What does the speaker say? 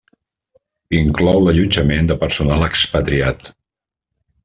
Inclou l'allotjament de personal expatriat.